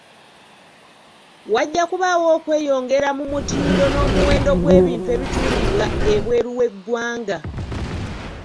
Wajja kubaawo okweyongera mu mutindo n'omuwendo gw'ebintu ebitundibwa ebweru w'eggwanga.